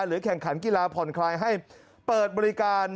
แข่งขันกีฬาผ่อนคลายให้เปิดบริการ